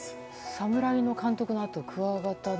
侍の監督のあと、クワガタの。